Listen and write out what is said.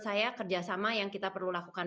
saya kerjasama yang kita perlu lakukan